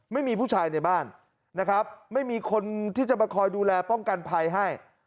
ไม่มีผู้ชายในบ้านนะครับไม่มีคนที่จะมาคอยดูแลป้องกันภัยให้